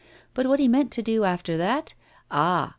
But what he meant to do after that ah!